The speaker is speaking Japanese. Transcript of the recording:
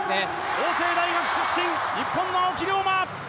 法政大学出身、日本の青木涼真。